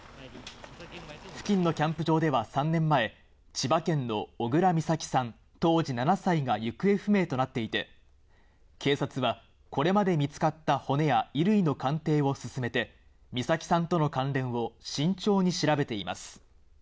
付近のキャンプ場では３年前、千葉県の小倉美咲さん、当時７歳が行方不明となっていて、警察はこれまで見つかった骨や衣類の鑑定を進めて、美咲さんとの関連を慎重に調べています。